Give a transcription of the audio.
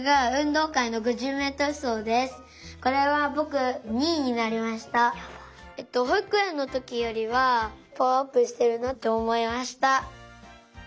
ほいくえんのときよりはパワーアップしてるなっておもいました。